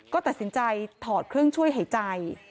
ก็ตัดสินใจถอดเครื่องช่วยหายใจ